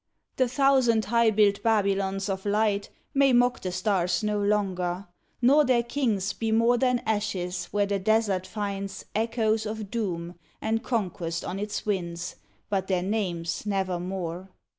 The thousand high built Babylons of light May mock the stars no longer, nor their kings Be more than ashes where the desert finds Echoes of doom and conquest on its winds, But their names nevermore.